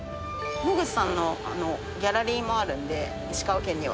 農口さんのギャラリーもあるんで石川県には。